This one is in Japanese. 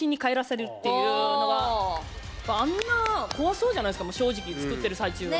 あんな怖そうじゃないですか正直作ってる最中は。